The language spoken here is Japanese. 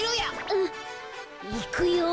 うん。いくよ。